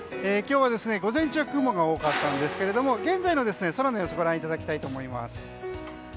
今日は午前中は雲が多かったんですが現在の空の様子ご覧いただきたいと思います。